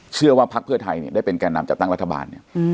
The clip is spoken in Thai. เชื่อว่าภักดิ์เพื่อไทยได้เป็นแก่นำจัดตั้งรัฐบาล